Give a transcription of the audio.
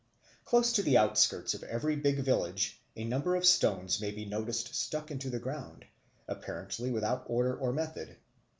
Close to the outskirts of every big village a number of stones may be noticed stuck into the ground, apparently without order or method.